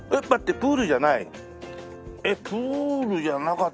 プールじゃない？えっ？